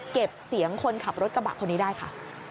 เก็บเสียงคนขับรถกระบะคนนี้ได้ค่ะ